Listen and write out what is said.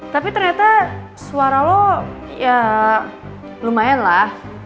tapi ternyata suara lo ya lumayan lah